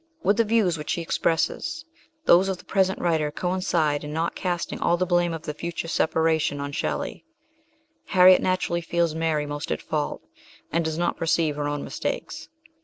With the views which she expresses, those of the present writer coincide in not casting all the blame of the future separation on Shelley; Harriet naturally feels Mary most at fault, and does not perceive her own mistakes.